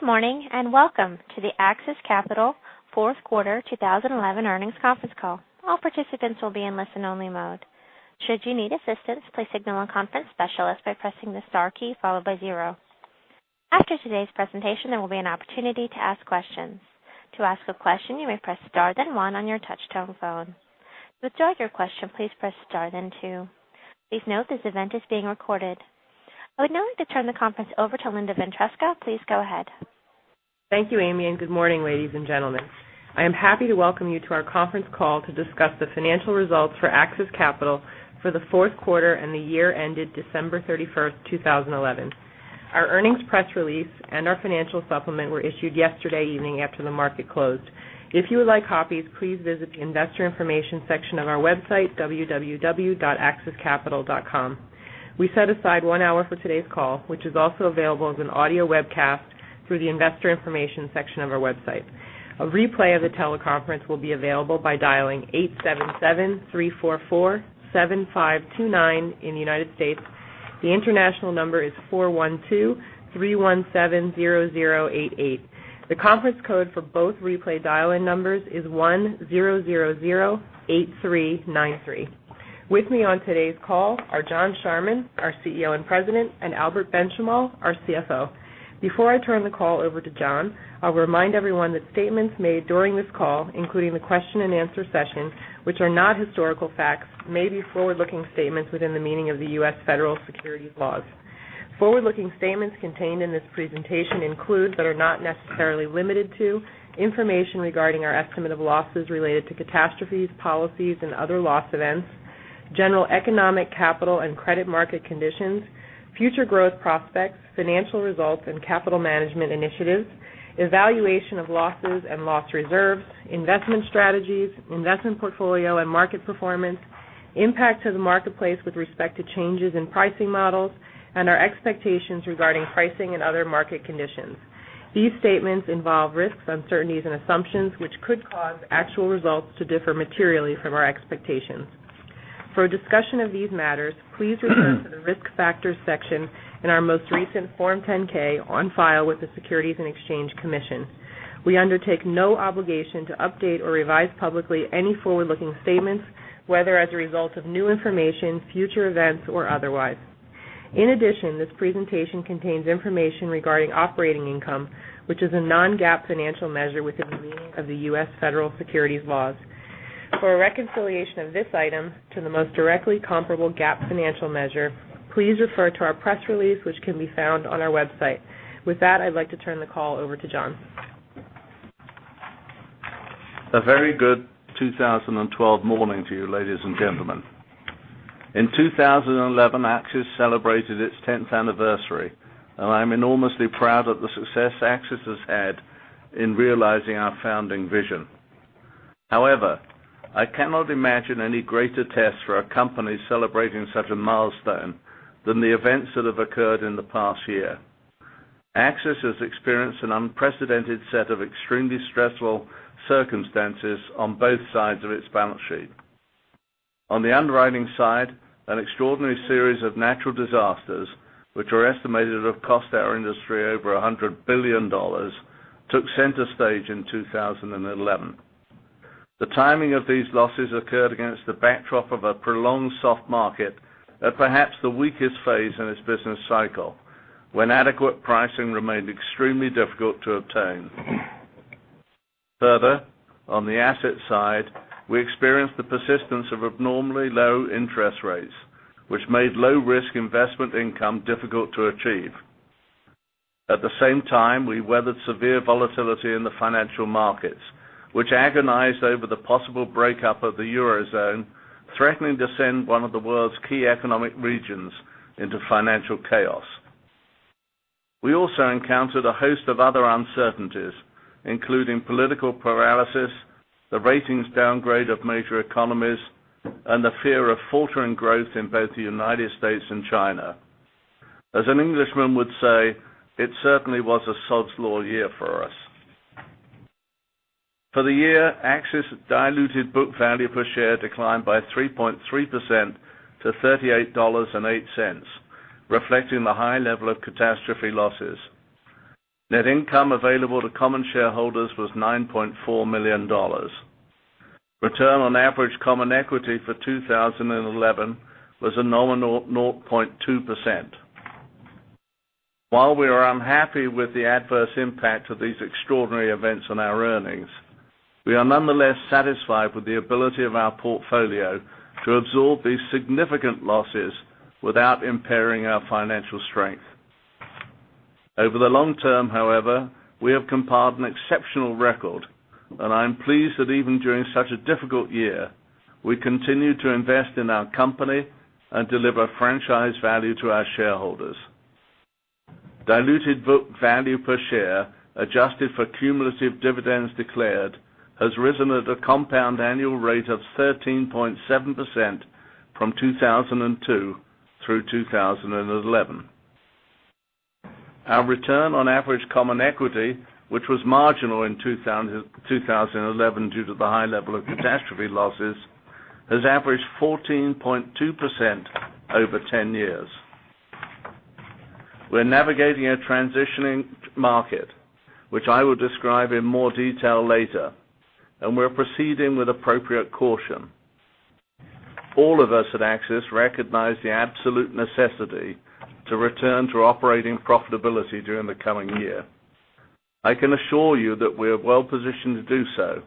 Good morning, welcome to the AXIS Capital fourth quarter 2011 earnings conference call. All participants will be in listen-only mode. Should you need assistance, please signal a conference specialist by pressing the star key followed by 0. After today's presentation, there will be an opportunity to ask questions. To ask a question, you may press star then 1 on your touch-tone phone. To withdraw your question, please press star then 2. Please note this event is being recorded. I would now like to turn the conference over to Linda Ventresca. Please go ahead. Thank you, Amy, good morning, ladies and gentlemen. I am happy to welcome you to our conference call to discuss the financial results for AXIS Capital for the fourth quarter and the year ended December 31st, 2011. Our earnings press release and our financial supplement were issued yesterday evening after the market closed. If you would like copies, please visit the investor information section of our website, www.axiscapital.com. We set aside 1 hour for today's call, which is also available as an audio webcast through the investor information section of our website. A replay of the teleconference will be available by dialing 877-344-7529 in the United States. The international number is 412-317-0088. The conference code for both replay dial-in numbers is 10008393. With me on today's call are John Charman, our CEO and President, Albert Benchimol, our CFO. Before I turn the call over to John, I'll remind everyone that statements made during this call, including the question-and-answer session, which are not historical facts, may be forward-looking statements within the meaning of the U.S. Federal Securities laws. Forward-looking statements contained in this presentation include, are not necessarily limited to, information regarding our estimate of losses related to catastrophes, policies, and other loss events, general economic capital and credit market conditions, future growth prospects, financial results, and capital management initiatives, evaluation of losses and loss reserves, investment strategies, investment portfolio and market performance, impact to the marketplace with respect to changes in pricing models, and our expectations regarding pricing and other market conditions. These statements involve risks, uncertainties, and assumptions which could cause actual results to differ materially from our expectations. For a discussion of these matters, please refer to the risk factors section in our most recent Form 10-K on file with the Securities and Exchange Commission. We undertake no obligation to update or revise publicly any forward-looking statements, whether as a result of new information, future events, or otherwise. In addition, this presentation contains information regarding operating income, which is a non-GAAP financial measure within the meaning of the U.S. Federal Securities laws. For a reconciliation of this item to the most directly comparable GAAP financial measure, please refer to our press release which can be found on our website. With that, I'd like to turn the call over to John. A very good 2012 morning to you, ladies and gentlemen. In 2011, AXIS celebrated its tenth anniversary, and I'm enormously proud of the success AXIS has had in realizing our founding vision. I cannot imagine any greater test for a company celebrating such a milestone than the events that have occurred in the past year. AXIS has experienced an unprecedented set of extremely stressful circumstances on both sides of its balance sheet. On the underwriting side, an extraordinary series of natural disasters, which are estimated to have cost our industry over $100 billion, took center stage in 2011. The timing of these losses occurred against the backdrop of a prolonged soft market at perhaps the weakest phase in its business cycle when adequate pricing remained extremely difficult to obtain. On the asset side, we experienced the persistence of abnormally low interest rates, which made low-risk investment income difficult to achieve. At the same time, we weathered severe volatility in the financial markets, which agonized over the possible breakup of the Eurozone, threatening to send one of the world's key economic regions into financial chaos. We also encountered a host of other uncertainties, including political paralysis, the ratings downgrade of major economies, and the fear of faltering growth in both the U.S. and China. As an Englishman would say, it certainly was a sod's law year for us. For the year, AXIS' diluted book value per share declined by 3.3% to $38.08, reflecting the high level of catastrophe losses. Net income available to common shareholders was $9.4 million. Return on average common equity for 2011 was a nominal 0.2%. While we are unhappy with the adverse impact of these extraordinary events on our earnings, we are nonetheless satisfied with the ability of our portfolio to absorb these significant losses without impairing our financial strength. Over the long term, however, we have compiled an exceptional record, and I am pleased that even during such a difficult year, we continued to invest in our company and deliver franchise value to our shareholders. Diluted book value per share, adjusted for cumulative dividends declared, has risen at a compound annual rate of 13.7% from 2002 through 2011. Our return on average common equity, which was marginal in 2011 due to the high level of catastrophe losses, has averaged 14.2% over 10 years. We're navigating a transitioning market, which I will describe in more detail later, and we're proceeding with appropriate caution. All of us at AXIS recognize the absolute necessity to return to operating profitability during the coming year. I can assure you that we are well-positioned to do so,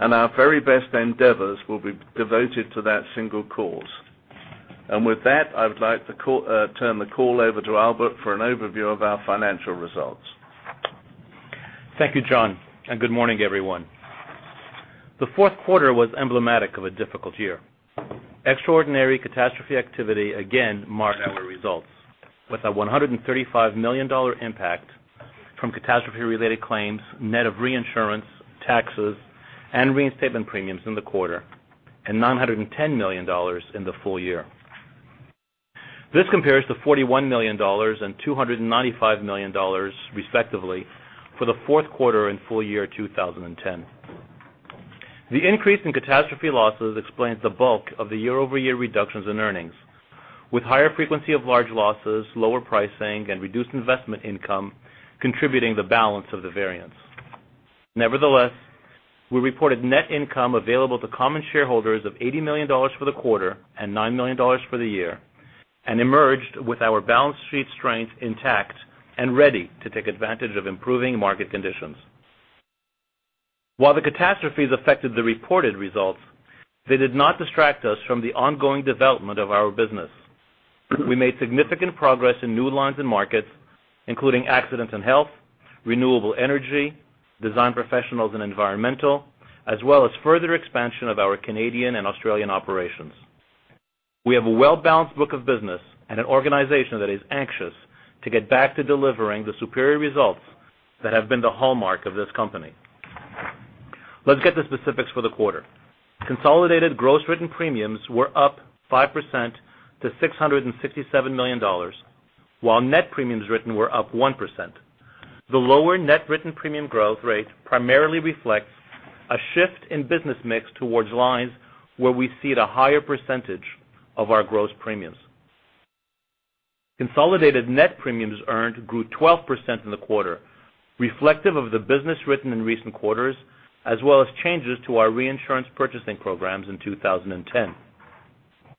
and our very best endeavors will be devoted to that single cause. With that, I would like to turn the call over to Albert for an overview of our financial results. Thank you, John, and good morning, everyone. The fourth quarter was emblematic of a difficult year. Extraordinary catastrophe activity again marked our results, with a $135 million impact from catastrophe-related claims net of reinsurance, taxes, and reinstatement premiums in the quarter, and $910 million in the full year. This compares to $41 million and $295 million, respectively, for the fourth quarter and full year 2010. The increase in catastrophe losses explains the bulk of the year-over-year reductions in earnings. With higher frequency of large losses, lower pricing, and reduced investment income contributing the balance of the variance. Nevertheless, we reported net income available to common shareholders of $80 million for the quarter and $9 million for the year, and emerged with our balance sheet strength intact and ready to take advantage of improving market conditions. While the catastrophes affected the reported results, they did not distract us from the ongoing development of our business. We made significant progress in new lines and markets, including accident and health, renewable energy, design professionals and environmental, as well as further expansion of our Canadian and Australian operations. We have a well-balanced book of business and an organization that is anxious to get back to delivering the superior results that have been the hallmark of this company. Let's get the specifics for the quarter. Consolidated gross written premiums were up 5% to $667 million, while net premiums written were up 1%. The lower net written premium growth rate primarily reflects a shift in business mix towards lines where we cede a higher percentage of our gross premiums. Consolidated net premiums earned grew 12% in the quarter, reflective of the business written in recent quarters, as well as changes to our reinsurance purchasing programs in 2010.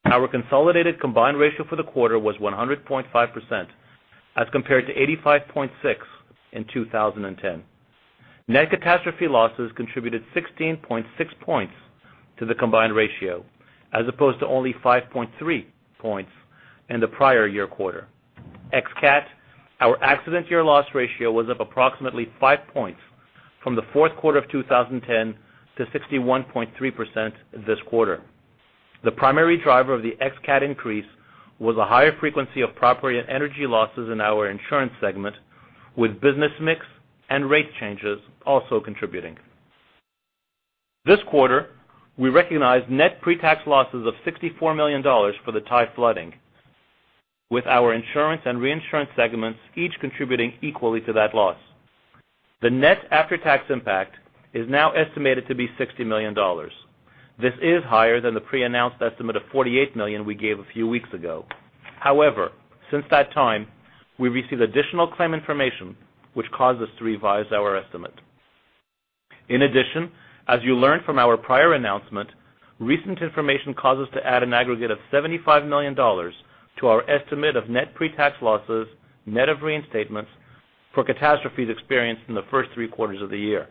Our consolidated combined ratio for the quarter was 100.5% as compared to 85.6% in 2010. Net catastrophe losses contributed 16.6 points to the combined ratio, as opposed to only 5.3 points in the prior year quarter. Ex cat, our accident year loss ratio was up approximately five points from the fourth quarter of 2010 to 61.3% this quarter. The primary driver of the ex cat increase was a higher frequency of property and energy losses in our insurance segment, with business mix and rate changes also contributing. This quarter, we recognized net pre-tax losses of $64 million for the Thai flooding, with our insurance and reinsurance segments each contributing equally to that loss. The net after-tax impact is now estimated to be $60 million. This is higher than the pre-announced estimate of $48 million we gave a few weeks ago. Since that time, we received additional claim information which caused us to revise our estimate. As you learned from our prior announcement, recent information caused us to add an aggregate of $75 million to our estimate of net pre-tax losses net of reinstatements for catastrophes experienced in the first three quarters of the year.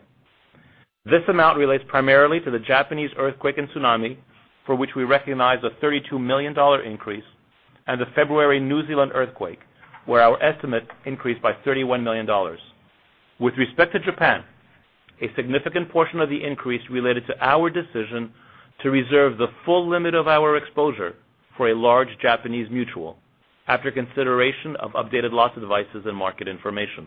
This amount relates primarily to the Japanese earthquake and tsunami, for which we recognized a $32 million increase, and the February New Zealand earthquake, where our estimate increased by $31 million. With respect to Japan, a significant portion of the increase related to our decision to reserve the full limit of our exposure for a large Japanese mutual, after consideration of updated loss advices and market information.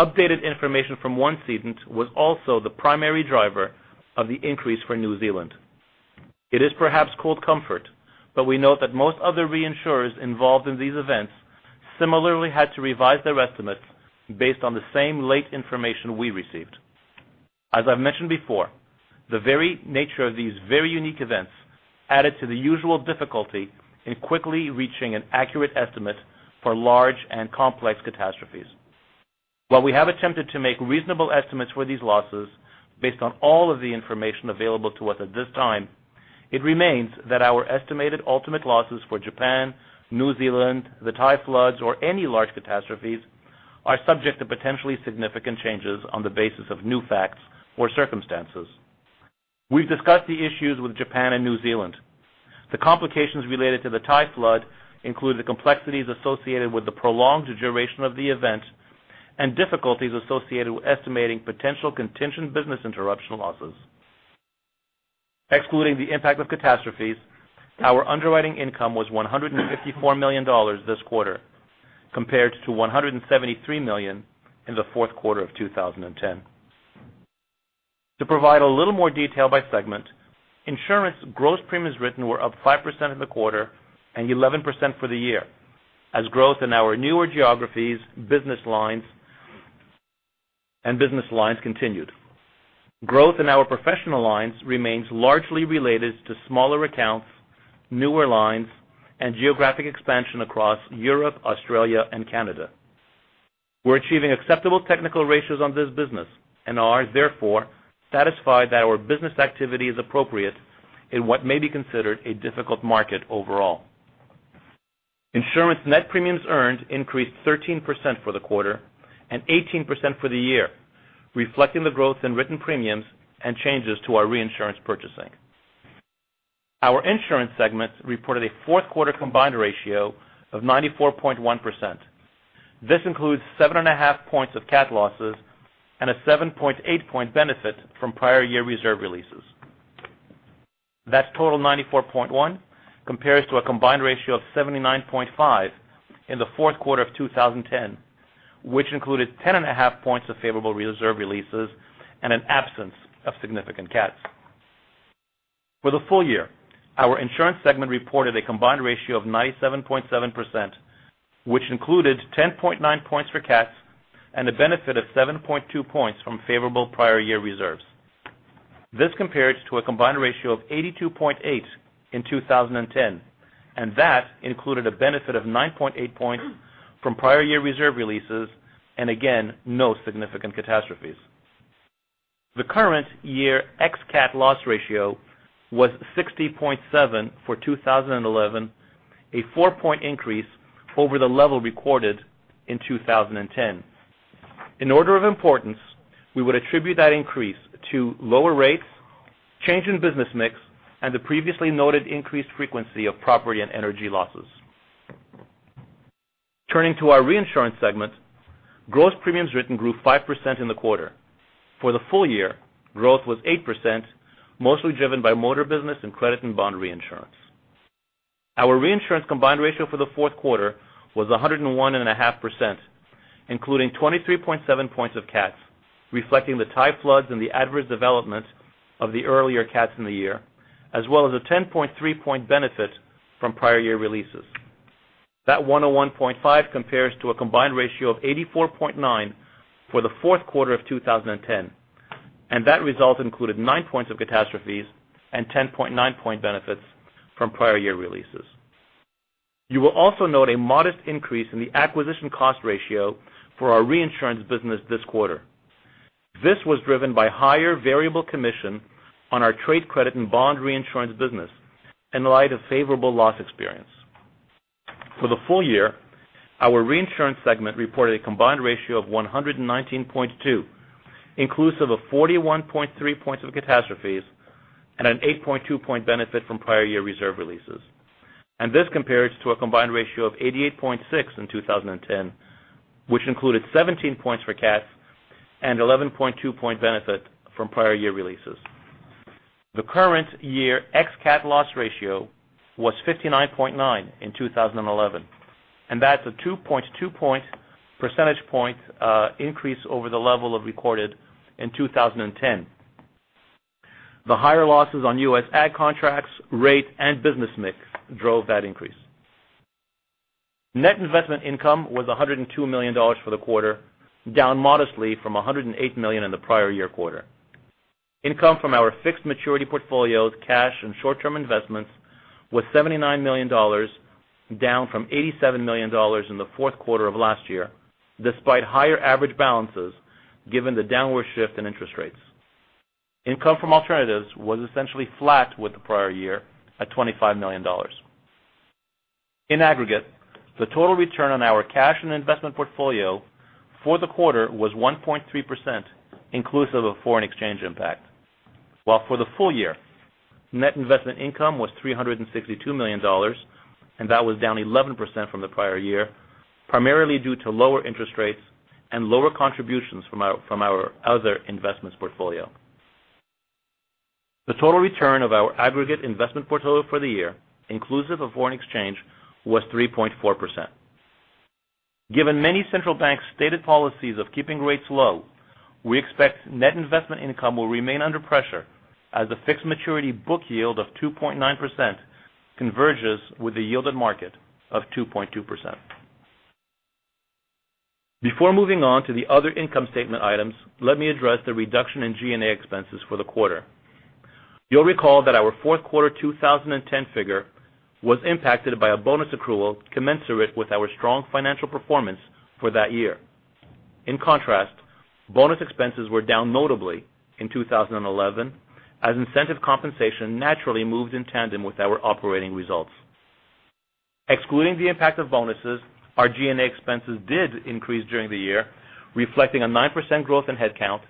Updated information from one cedant was also the primary driver of the increase for New Zealand. It is perhaps cold comfort, but we note that most other reinsurers involved in these events similarly had to revise their estimates based on the same late information we received. As I've mentioned before, the very nature of these very unique events added to the usual difficulty in quickly reaching an accurate estimate for large and complex catastrophes. While we have attempted to make reasonable estimates for these losses based on all of the information available to us at this time, it remains that our estimated ultimate losses for Japan, New Zealand, the Thai floods, or any large catastrophes are subject to potentially significant changes on the basis of new facts or circumstances. We've discussed the issues with Japan and New Zealand. The complications related to the Thai flood include the complexities associated with the prolonged duration of the event and difficulties associated with estimating potential contingent business interruption losses. Excluding the impact of catastrophes, our underwriting income was $154 million this quarter, compared to $173 million in the fourth quarter of 2010. To provide a little more detail by segment, insurance gross premiums written were up 5% in the quarter and 11% for the year, as growth in our newer geographies, business lines continued. Growth in our professional lines remains largely related to smaller accounts, newer lines, and geographic expansion across Europe, Australia, and Canada. We're achieving acceptable technical ratios on this business and are, therefore, satisfied that our business activity is appropriate in what may be considered a difficult market overall. Insurance net premiums earned increased 13% for the quarter and 18% for the year, reflecting the growth in written premiums and changes to our reinsurance purchasing. Our insurance segment reported a fourth quarter combined ratio of 94.1%. This includes 7.5 points of cat losses and a 7.8-point benefit from prior year reserve releases. That total 94.1% compares to a combined ratio of 79.5% in the fourth quarter of 2010, which included 10.5 points of favorable reserve releases and an absence of significant cats. For the full year, our insurance segment reported a combined ratio of 97.7%, which included 10.9 points for cats and a benefit of 7.2 points from favorable prior year reserves. This compares to a combined ratio of 82.8% in 2010, and that included a benefit of 9.8 points from prior year reserve releases and again, no significant catastrophes. The current year ex-cat loss ratio was 60.7% for 2011, a four-point increase over the level recorded in 2010. In order of importance, we would attribute that increase to lower rates, change in business mix, and the previously noted increased frequency of property and energy losses. Turning to our reinsurance segment, gross premiums written grew 5% in the quarter. For the full year, growth was 8%, mostly driven by motor business and credit and bond reinsurance. Our reinsurance combined ratio for the fourth quarter was 101.5%, including 23.7 points of cats, reflecting the Thai floods and the adverse development of the earlier cats in the year, as well as a 10.3-point benefit from prior year releases. That 101.5 compares to a combined ratio of 84.9 for the fourth quarter of 2010. That result included nine points of catastrophes and 10.9 point benefits from prior year releases. You will also note a modest increase in the acquisition cost ratio for our reinsurance business this quarter. This was driven by higher variable commission on our trade credit and bond reinsurance business in light of favorable loss experience. For the full year, our reinsurance segment reported a combined ratio of 119.2, inclusive of 41.3 points of catastrophes and an 8.2 point benefit from prior year reserve releases. This compares to a combined ratio of 88.6 in 2010, which included 17 points for cats and 11.2 point benefit from prior year releases. The current year ex-cat loss ratio was 59.9 in 2011. That's a 2.2 percentage point increase over the level recorded in 2010. The higher losses on US ag contracts, rate, and business mix drove that increase. Net investment income was $102 million for the quarter, down modestly from $108 million in the prior year quarter. Income from our fixed maturity portfolios, cash, and short-term investments was $79 million, down from $87 million in the fourth quarter of last year, despite higher average balances, given the downward shift in interest rates. Income from alternatives was essentially flat with the prior year at $25 million. In aggregate, the total return on our cash and investment portfolio for the quarter was 1.3% inclusive of foreign exchange impact. For the full year, net investment income was $362 million. That was down 11% from the prior year, primarily due to lower interest rates and lower contributions from our other investments portfolio. The total return of our aggregate investment portfolio for the year, inclusive of foreign exchange, was 3.4%. Given many central banks' stated policies of keeping rates low, we expect net investment income will remain under pressure as the fixed maturity book yield of 2.9% converges with the yielded market of 2.2%. Before moving on to the other income statement items, let me address the reduction in G&A expenses for the quarter. You'll recall that our fourth quarter 2010 figure was impacted by a bonus accrual commensurate with our strong financial performance for that year. In contrast, bonus expenses were down notably in 2011 as incentive compensation naturally moved in tandem with our operating results. Excluding the impact of bonuses, our G&A expenses did increase during the year, reflecting a 9% growth in headcount,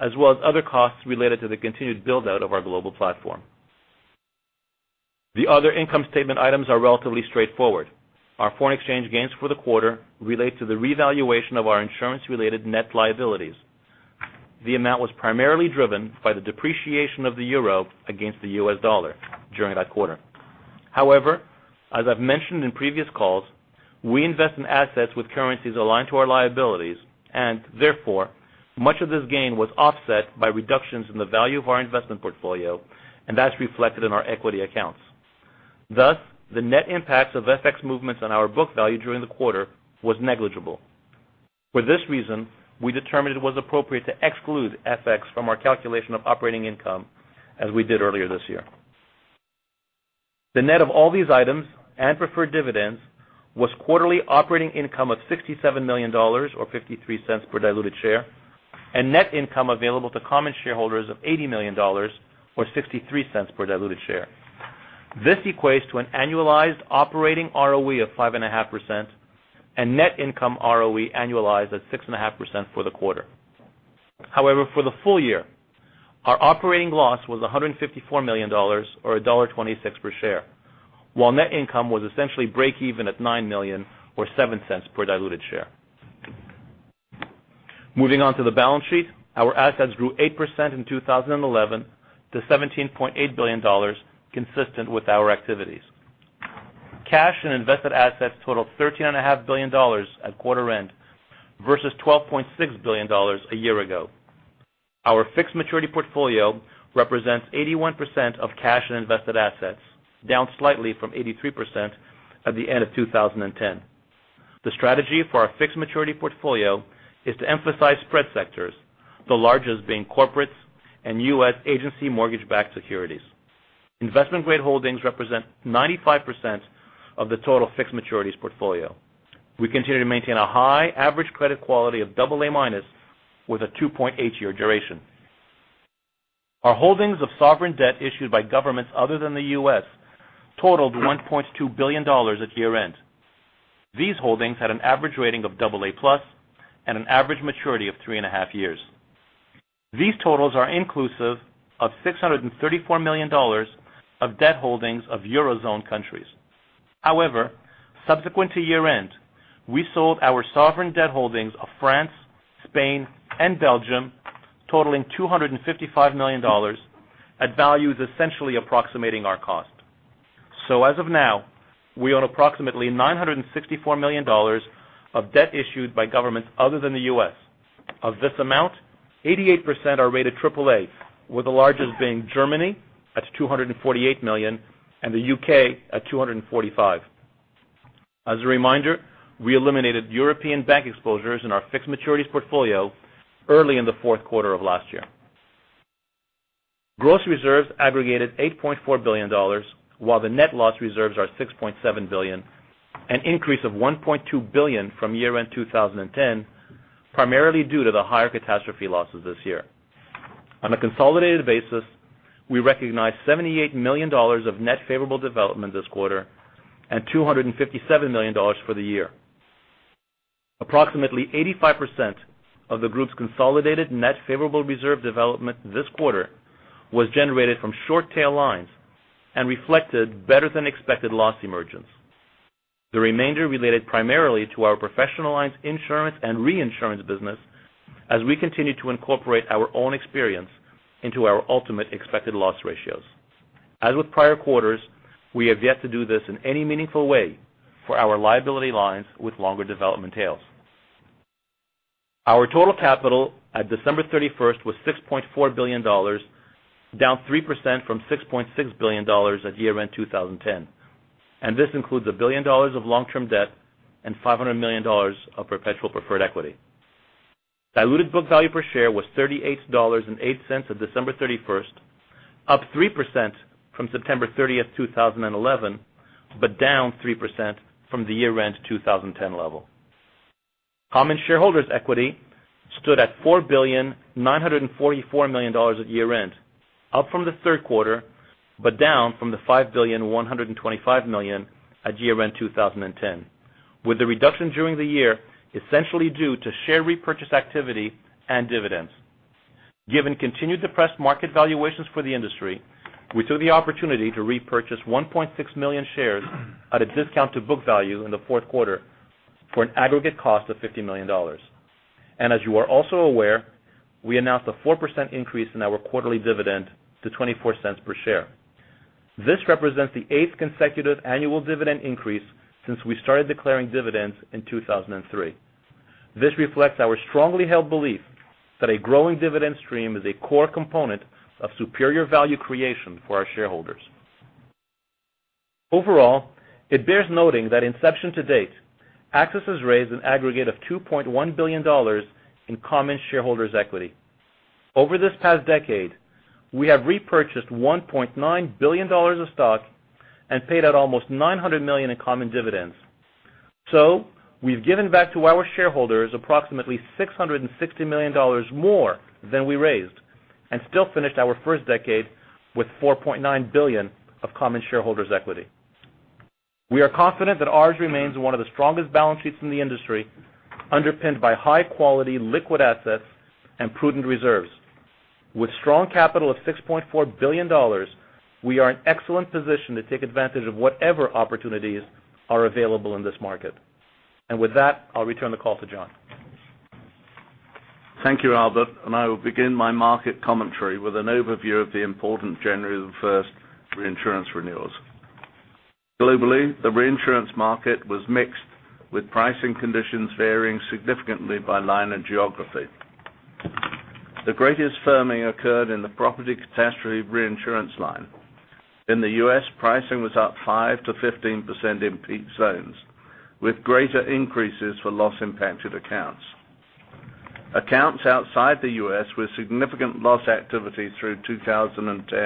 as well as other costs related to the continued build-out of our global platform. The other income statement items are relatively straightforward. Our foreign exchange gains for the quarter relate to the revaluation of our insurance-related net liabilities. The amount was primarily driven by the depreciation of the euro against the US dollar during that quarter. However, as I've mentioned in previous calls, we invest in assets with currencies aligned to our liabilities. Therefore, much of this gain was offset by reductions in the value of our investment portfolio. That's reflected in our equity accounts. Thus, the net impact of FX movements on our book value during the quarter was negligible. For this reason, we determined it was appropriate to exclude FX from our calculation of operating income as we did earlier this year. The net of all these items and preferred dividends was quarterly operating income of $67 million, or $0.53 per diluted share, and net income available to common shareholders of $80 million, or $0.63 per diluted share. This equates to an annualized operating ROE of 5.5% and net income ROE annualized at 6.5% for the quarter. For the full year, our operating loss was $154 million, or $1.26 per share, while net income was essentially breakeven at $9 million or $0.07 per diluted share. Moving on to the balance sheet. Our assets grew 8% in 2011 to $17.8 billion consistent with our activities. Cash and invested assets totaled $13.5 billion at quarter end versus $12.6 billion a year ago. Our fixed maturity portfolio represents 81% of cash and invested assets, down slightly from 83% at the end of 2010. The strategy for our fixed maturity portfolio is to emphasize spread sectors, the largest being corporates and US Agency mortgage-backed securities. Investment-grade holdings represent 95% of the total fixed maturities portfolio. We continue to maintain a high average credit quality of double A minus with a 2.8-year duration. Our holdings of sovereign debt issued by governments other than the U.S. totaled $1.2 billion at year-end. These holdings had an average rating of double A plus and an average maturity of three and a half years. These totals are inclusive of $634 million of debt holdings of Eurozone countries. Subsequent to year-end, we sold our sovereign debt holdings of France, Spain, and Belgium, totaling $255 million at values essentially approximating our cost. As of now, we own approximately $964 million of debt issued by governments other than the U.S. Of this amount, 88% are rated triple A, with the largest being Germany at $248 million and the U.K. at $245. As a reminder, we eliminated European bank exposures in our fixed maturities portfolio early in the fourth quarter of last year. Gross reserves aggregated $8.4 billion, while the net loss reserves are $6.7 billion, an increase of $1.2 billion from year-end 2010, primarily due to the higher catastrophe losses this year. On a consolidated basis, we recognized $78 million of net favorable development this quarter and $257 million for the year. Approximately 85% of the group's consolidated net favorable reserve development this quarter was generated from short tail lines and reflected better than expected loss emergence. The remainder related primarily to our professional lines insurance and reinsurance business, as we continue to incorporate our own experience into our ultimate expected loss ratios. As with prior quarters, we have yet to do this in any meaningful way for our liability lines with longer development tails. Our total capital at December 31st was $6.4 billion, down 3% from $6.6 billion at year-end 2010, and this includes $1 billion of long-term debt and $500 million of perpetual preferred equity. Diluted book value per share was $38.08 at December 31st, up 3% from September 30th, 2011, but down 3% from the year-end 2010 level. Common shareholders' equity stood at $4.944 billion at year-end, up from the third quarter, but down from the $5.125 billion at year-end 2010, with the reduction during the year essentially due to share repurchase activity and dividends. Given continued depressed market valuations for the industry, we took the opportunity to repurchase 1.6 million shares at a discount to book value in the fourth quarter for an aggregate cost of $50 million. As you are also aware, we announced a 4% increase in our quarterly dividend to $0.24 per share. This represents the eighth consecutive annual dividend increase since we started declaring dividends in 2003. This reflects our strongly held belief that a growing dividend stream is a core component of superior value creation for our shareholders. Overall, it bears noting that inception to date, AXIS has raised an aggregate of $2.1 billion in common shareholders' equity. Over this past decade, we have repurchased $1.9 billion of stock and paid out almost $900 million in common dividends. We've given back to our shareholders approximately $660 million more than we raised and still finished our first decade with $4.9 billion of common shareholders' equity. We are confident that ours remains one of the strongest balance sheets in the industry, underpinned by high-quality liquid assets and prudent reserves. With strong capital of $6.4 billion, we are in excellent position to take advantage of whatever opportunities are available in this market. With that, I'll return the call to John. Thank you, Albert, I will begin my market commentary with an overview of the important January the 1st reinsurance renewals. Globally, the reinsurance market was mixed, with pricing conditions varying significantly by line and geography. The greatest firming occurred in the property catastrophe reinsurance line. In the U.S., pricing was up 5%-15% in peak zones, with greater increases for loss-impacted accounts. Accounts outside the U.S., with significant loss activity through 2010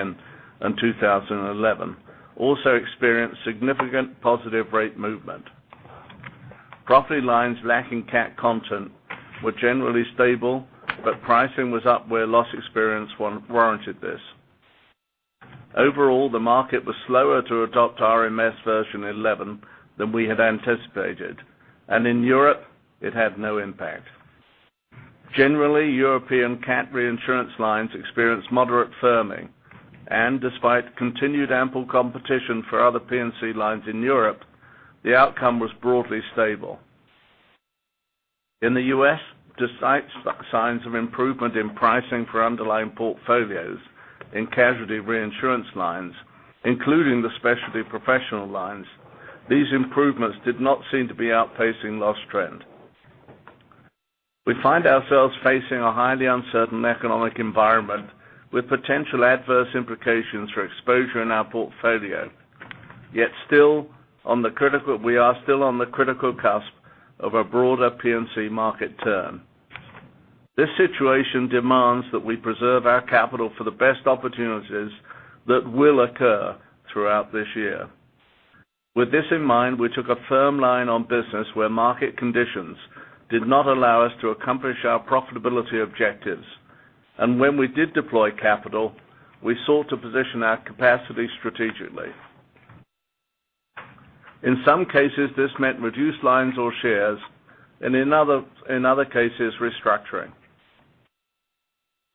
and 2011, also experienced significant positive rate movement. Property lines lacking cat content were generally stable, but pricing was up where loss experience warranted this. Overall, the market was slower to adopt RMS version 11 than we had anticipated. In Europe, it had no impact. Generally, European cat reinsurance lines experienced moderate firming, despite continued ample competition for other P&C lines in Europe, the outcome was broadly stable. In the U.S., despite signs of improvement in pricing for underlying portfolios in casualty reinsurance lines, including the specialty professional lines, these improvements did not seem to be outpacing loss trend. We find ourselves facing a highly uncertain economic environment with potential adverse implications for exposure in our portfolio. Yet we are still on the critical cusp of a broader P&C market turn. This situation demands that we preserve our capital for the best opportunities that will occur throughout this year. With this in mind, we took a firm line on business where market conditions did not allow us to accomplish our profitability objectives. When we did deploy capital, we sought to position our capacity strategically. In some cases, this meant reduced lines or shares, and in other cases, restructuring.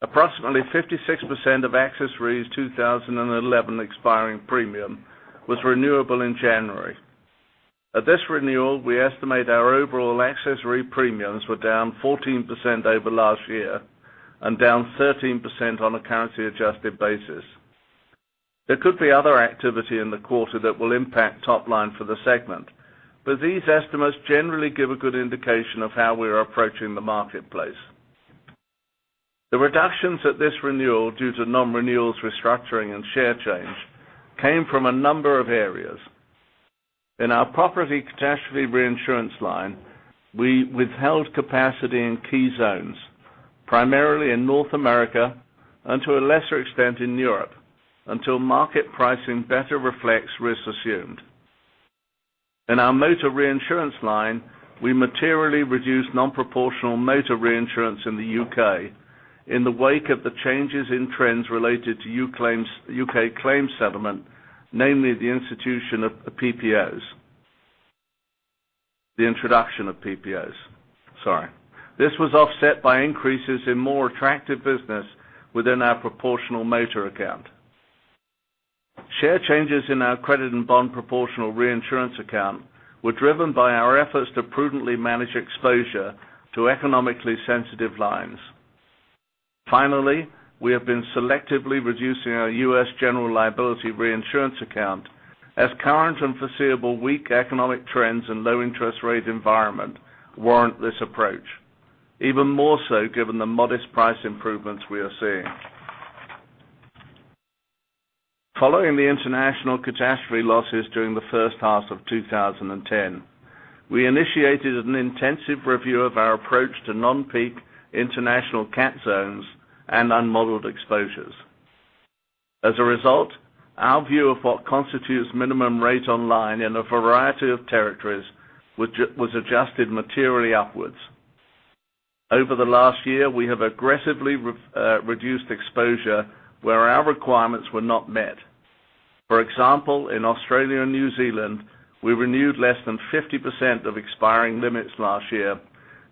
Approximately 56% of AXIS Re's 2011 expiring premium was renewable in January. At this renewal, we estimate our overall AXIS Re premiums were down 14% over last year and down 13% on a currency-adjusted basis. There could be other activity in the quarter that will impact top line for the segment, but these estimates generally give a good indication of how we are approaching the marketplace. The reductions at this renewal, due to nonrenewals, restructuring, and share change, came from a number of areas. In our property catastrophe reinsurance line, we withheld capacity in key zones, primarily in North America and to a lesser extent in Europe, until market pricing better reflects risks assumed. In our motor reinsurance line, we materially reduced non-proportional motor reinsurance in the U.K. in the wake of the changes in trends related to U.K. claim settlement, namely the institution of PPOs. The introduction of PPOs. Sorry. This was offset by increases in more attractive business within our proportional motor account. Share changes in our credit and bond proportional reinsurance account were driven by our efforts to prudently manage exposure to economically sensitive lines. Finally, we have been selectively reducing our U.S. general liability reinsurance account as current and foreseeable weak economic trends and low interest rate environment warrant this approach, even more so given the modest price improvements we are seeing. Following the international catastrophe losses during the first half of 2010, we initiated an intensive review of our approach to non-peak international cat zones and unmodeled exposures. As a result, our view of what constitutes minimum rates on line in a variety of territories was adjusted materially upwards. Over the last year, we have aggressively reduced exposure where our requirements were not met. For example, in Australia and New Zealand, we renewed less than 50% of expiring limits last year,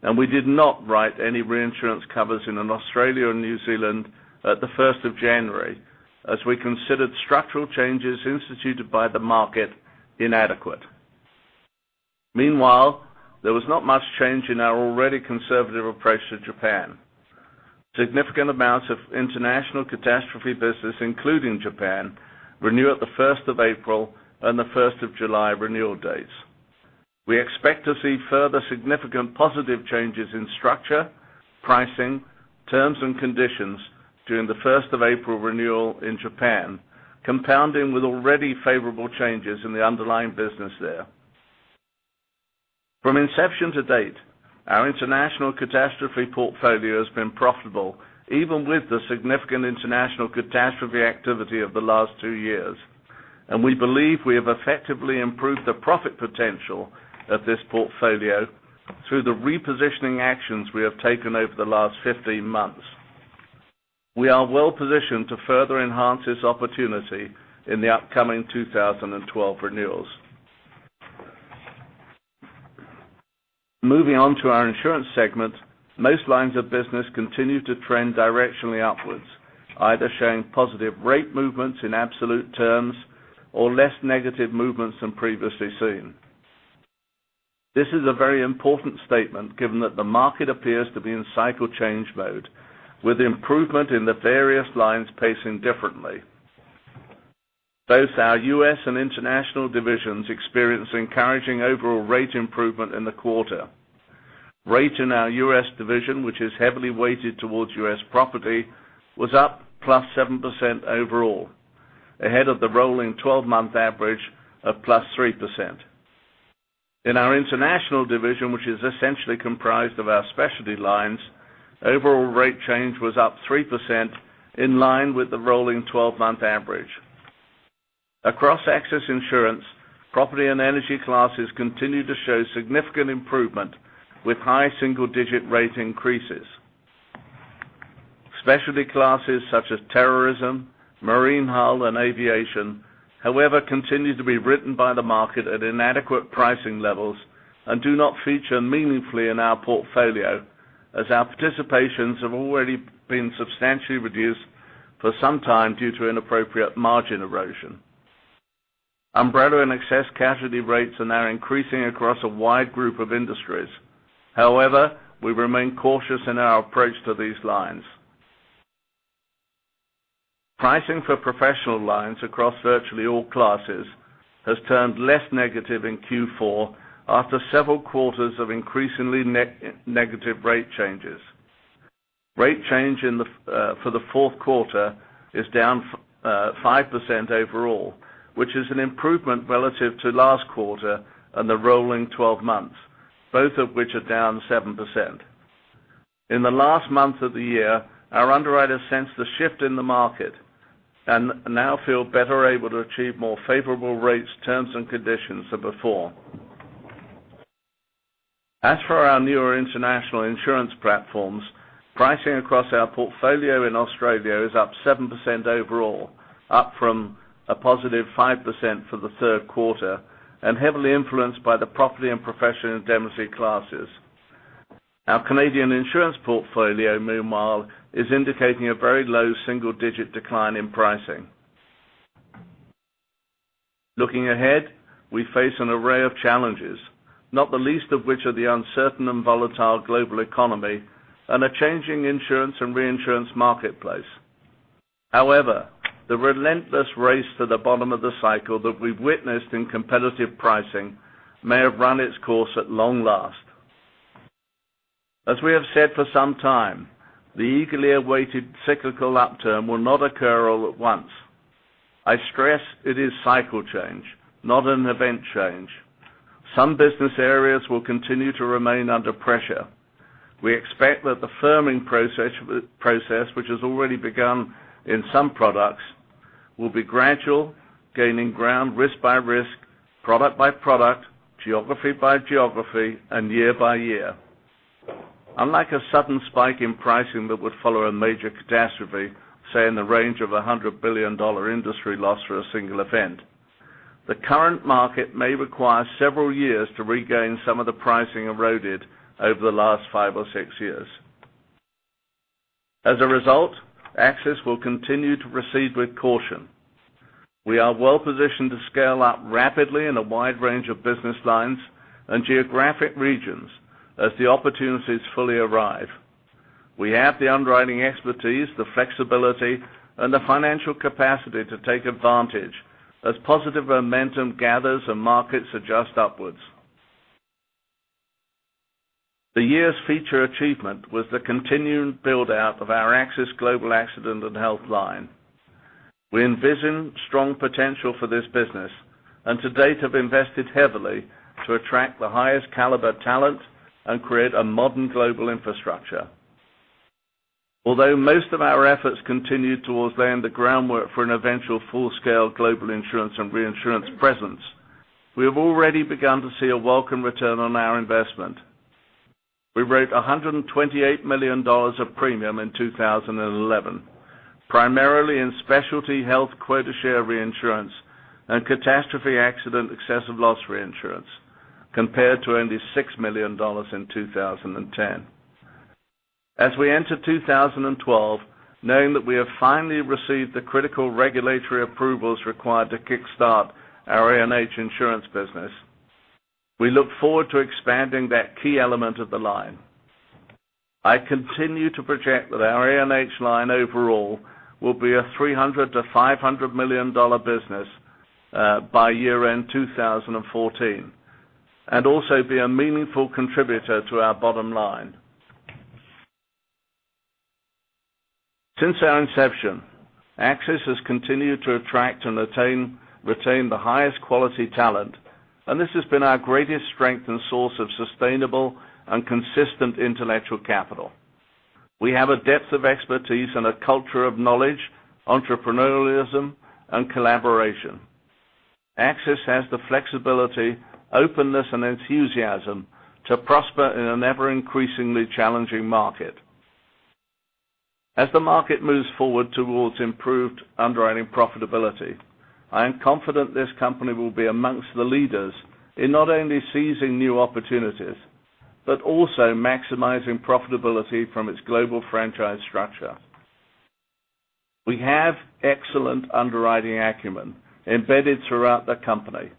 and we did not write any reinsurance covers in Australia and New Zealand at the 1st of January, as we considered structural changes instituted by the market inadequate. Meanwhile, there was not much change in our already conservative approach to Japan. Significant amounts of international catastrophe business, including Japan, renew at the 1st of April and the 1st of July renewal dates. We expect to see further significant positive changes in structure, pricing, terms, and conditions during the 1st of April renewal in Japan, compounding with already favorable changes in the underlying business there. From inception to date, our international catastrophe portfolio has been profitable, even with the significant international catastrophe activity of the last two years, and we believe we have effectively improved the profit potential of this portfolio through the repositioning actions we have taken over the last 15 months. We are well-positioned to further enhance this opportunity in the upcoming 2012 renewals. Moving on to our insurance segment, most lines of business continue to trend directionally upwards, either showing positive rate movements in absolute terms or less negative movements than previously seen. This is a very important statement given that the market appears to be in cycle change mode, with improvement in the various lines pacing differently. Both our U.S. and international divisions experienced encouraging overall rate improvement in the quarter. Rate in our U.S. division, which is heavily weighted towards U.S. property, was up +7% overall, ahead of the rolling 12-month average of +3%. In our international division, which is essentially comprised of our specialty lines, overall rate change was up 3%, in line with the rolling 12-month average. Across excess insurance, property and energy classes continue to show significant improvement with high single-digit rate increases. Specialty classes such as terrorism, marine hull, and aviation, however, continue to be written by the market at inadequate pricing levels and do not feature meaningfully in our portfolio, as our participations have already been substantially reduced for some time due to inappropriate margin erosion. Umbrella and excess casualty rates are now increasing across a wide group of industries. However, we remain cautious in our approach to these lines. Pricing for professional lines across virtually all classes has turned less negative in Q4 after several quarters of increasingly negative rate changes. Rate change for the fourth quarter is down -5% overall, which is an improvement relative to last quarter and the rolling 12 months, both of which are down -7%. In the last month of the year, our underwriters sensed the shift in the market and now feel better able to achieve more favorable rates, terms, and conditions than before. As for our newer international insurance platforms, pricing across our portfolio in Australia is up 7% overall, up from a +5% for the third quarter, and heavily influenced by the property and professional indemnity classes. Our Canadian insurance portfolio, meanwhile, is indicating a very low single-digit decline in pricing. Looking ahead, we face an array of challenges, not the least of which are the uncertain and volatile global economy and a changing insurance and reinsurance marketplace. However, the relentless race to the bottom of the cycle that we've witnessed in competitive pricing may have run its course at long last. As we have said for some time, the eagerly awaited cyclical upturn will not occur all at once. I stress it is cycle change, not an event change. Some business areas will continue to remain under pressure. We expect that the firming process, which has already begun in some products, will be gradual, gaining ground risk by risk, product by product, geography by geography, and year by year. Unlike a sudden spike in pricing that would follow a major catastrophe, say in the range of $100 billion industry loss for a single event, the current market may require several years to regain some of the pricing eroded over the last five or six years. As a result, AXIS will continue to proceed with caution. We are well-positioned to scale up rapidly in a wide range of business lines and geographic regions as the opportunities fully arrive. We have the underwriting expertise, the flexibility, and the financial capacity to take advantage as positive momentum gathers and markets adjust upwards. The year's feature achievement was the continuing build-out of our AXIS global accident and health line. We envision strong potential for this business, and to date have invested heavily to attract the highest caliber talent and create a modern global infrastructure. Although most of our efforts continue towards laying the groundwork for an eventual full-scale global insurance and reinsurance presence, we have already begun to see a welcome return on our investment. We wrote $128 million of premium in 2011, primarily in specialty health quota share reinsurance and catastrophe accident excess of loss reinsurance, compared to only $6 million in 2010. As we enter 2012, knowing that we have finally received the critical regulatory approvals required to kickstart our A&H insurance business, we look forward to expanding that key element of the line. I continue to project that our A&H line overall will be a $300 million-$500 million business by year-end 2014, and also be a meaningful contributor to our bottom line. Since our inception, AXIS has continued to attract and retain the highest quality talent, and this has been our greatest strength and source of sustainable and consistent intellectual capital. We have a depth of expertise and a culture of knowledge, entrepreneurialism, and collaboration. AXIS has the flexibility, openness, and enthusiasm to prosper in an ever-increasingly challenging market. As the market moves forward towards improved underwriting profitability, I am confident this company will be amongst the leaders in not only seizing new opportunities but also maximizing profitability from its global franchise structure. We have excellent underwriting acumen embedded throughout the company,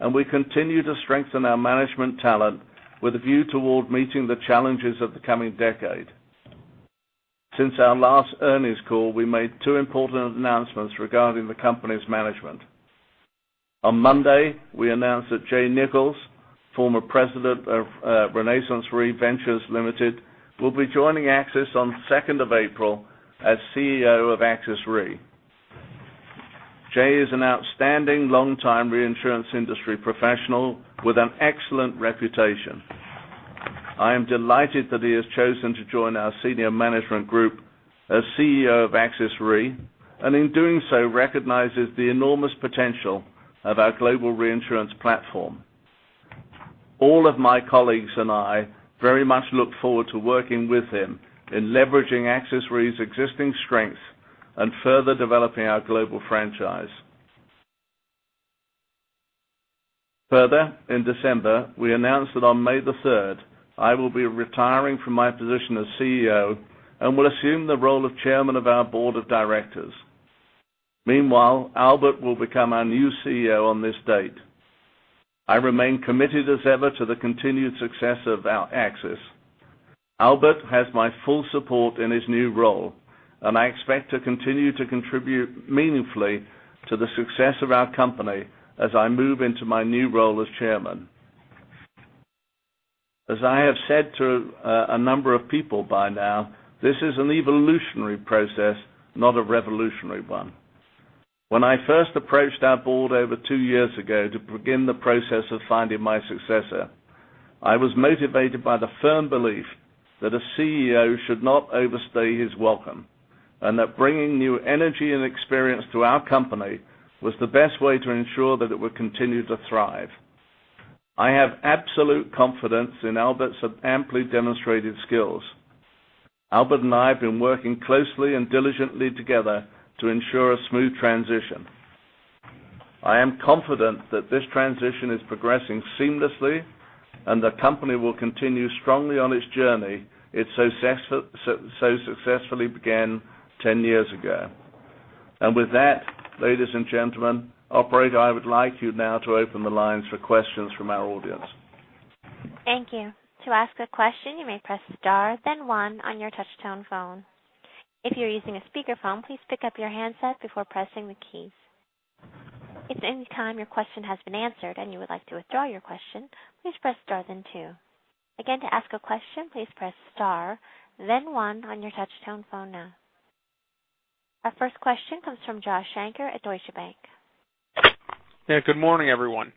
and we continue to strengthen our management talent with a view toward meeting the challenges of the coming decade. Since our last earnings call, we made two important announcements regarding the company's management. On Monday, we announced that Jay Nichols, former President of RenaissanceRe Ventures Limited, will be joining AXIS on the 2nd of April as CEO of AXIS Re. Jay is an outstanding longtime reinsurance industry professional with an excellent reputation. I am delighted that he has chosen to join our senior management group as CEO of AXIS Re, and in doing so, recognizes the enormous potential of our global reinsurance platform. All of my colleagues and I very much look forward to working with him in leveraging AXIS Re's existing strengths and further developing our global franchise. Further, in December, we announced that on May the 3rd, I will be retiring from my position as CEO and will assume the role of Chairman of our board of directors. Meanwhile, Albert will become our new CEO on this date. I remain committed as ever to the continued success of our AXIS. Albert has my full support in his new role, and I expect to continue to contribute meaningfully to the success of our company as I move into my new role as Chairman. As I have said to a number of people by now, this is an evolutionary process, not a revolutionary one. When I first approached our board over two years ago to begin the process of finding my successor, I was motivated by the firm belief that a CEO should not overstay his welcome, and that bringing new energy and experience to our company was the best way to ensure that it would continue to thrive. I have absolute confidence in Albert's amply demonstrated skills. Albert and I have been working closely and diligently together to ensure a smooth transition. I am confident that this transition is progressing seamlessly, and the company will continue strongly on its journey it so successfully began 10 years ago. With that, ladies and gentlemen. Operator, I would like you now to open the lines for questions from our audience. Thank you. To ask a question, you may press star then one on your touch tone phone. If you're using a speakerphone, please pick up your handset before pressing the keys. If at any time your question has been answered and you would like to withdraw your question, please press star then two. Again, to ask a question, please press star then one on your touch tone phone now. Our first question comes from Josh Shanker at Deutsche Bank. Yeah. Good morning, everyone.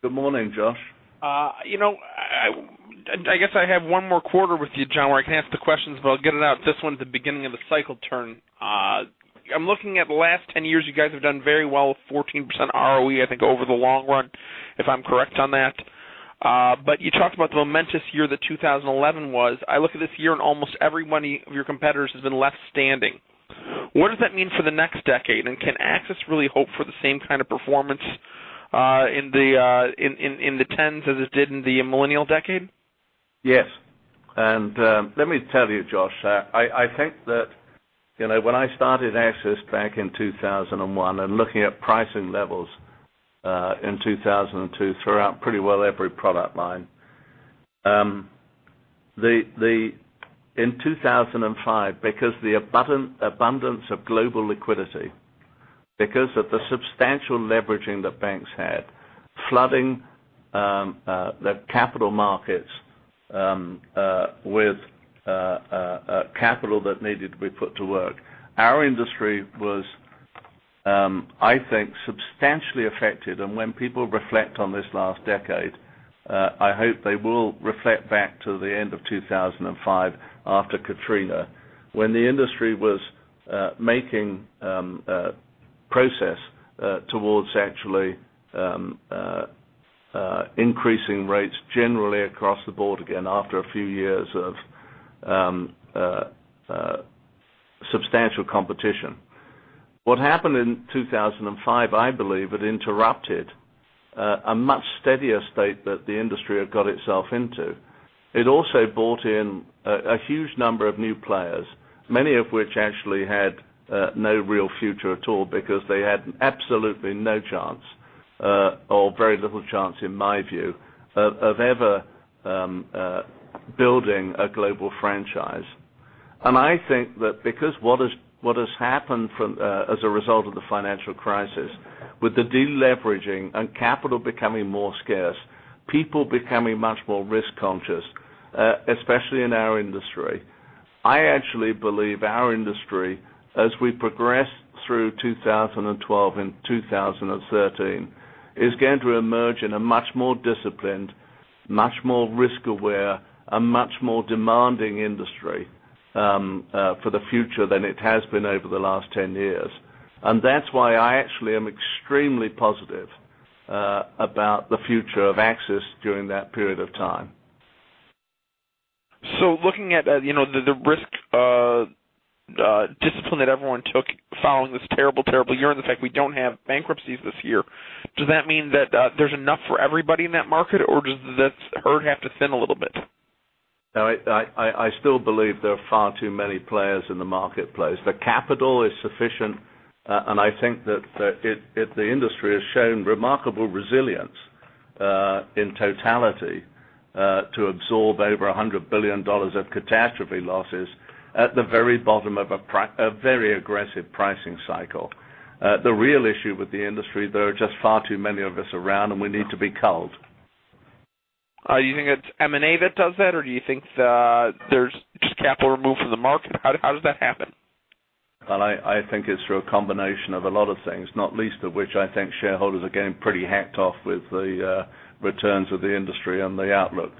Good morning, Josh. I guess I have one more quarter with you, John, where I can ask the questions, I'll get it out. This one at the beginning of the cycle turn. I'm looking at the last 10 years, you guys have done very well, 14% ROE, I think, over the long run, if I'm correct on that. You talked about the momentous year that 2011 was. I look at this year and almost every one of your competitors has been left standing. What does that mean for the next decade? Can AXIS really hope for the same kind of performance in the tens as it did in the millennial decade? Yes. Let me tell you, Josh, I think that when I started AXIS back in 2001 and looking at pricing levels, in 2002 throughout pretty well every product line. In 2005 because the abundance of global liquidity, because of the substantial leveraging that banks had, flooding the capital markets with capital that needed to be put to work. Our industry was, I think, substantially affected. When people reflect on this last decade, I hope they will reflect back to the end of 2005 after Katrina, when the industry was making progress towards actually increasing rates generally across the board again, after a few years of substantial competition. What happened in 2005, I believe it interrupted a much steadier state that the industry had got itself into. It also brought in a huge number of new players, many of which actually had no real future at all because they had absolutely no chance, or very little chance, in my view, of ever building a global franchise. I think that because what has happened as a result of the financial crisis, with the de-leveraging and capital becoming more scarce, people becoming much more risk conscious, especially in our industry. I actually believe our industry, as we progress through 2012 and 2013, is going to emerge in a much more disciplined, much more risk aware, a much more demanding industry for the future than it has been over the last 10 years. That's why I actually am extremely positive about the future of AXIS during that period of time. Looking at the risk discipline that everyone took following this terrible year and the fact we don't have bankruptcies this year, does that mean that there's enough for everybody in that market, or does the herd have to thin a little bit? No, I still believe there are far too many players in the marketplace. The capital is sufficient, and I think that the industry has shown remarkable resilience in totality, to absorb over $100 billion of catastrophe losses at the very bottom of a very aggressive pricing cycle. The real issue with the industry. There are just far too many of us around, and we need to be culled. Do you think it's M&A that does that, or do you think that there's just capital removed from the market? How does that happen? I think it's through a combination of a lot of things, not least of which I think shareholders are getting pretty hacked off with the returns of the industry and the outlook.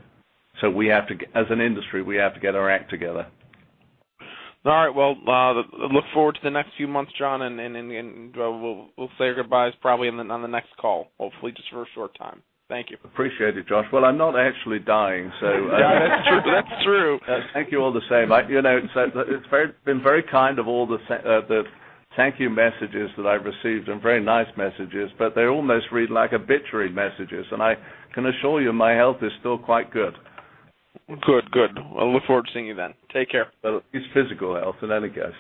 As an industry, we have to get our act together. All right. Well, look forward to the next few months, John. We'll say our goodbyes probably on the next call, hopefully just for a short time. Thank you. Appreciate it, Josh. Well, I'm not actually dying. That's true. Thank you all the same. It's been very kind, all the thank you messages that I've received, and very nice messages, but they almost read like obituary messages, and I can assure you my health is still quite good. Good. I look forward to seeing you then. Take care. Well, at least physical health, in any case.